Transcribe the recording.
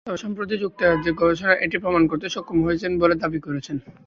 তবে সম্প্রতি যুক্তরাষ্ট্রের গবেষকেরা এটি প্রমাণ করতে সক্ষম হয়েছেন বলে দাবি করছেন।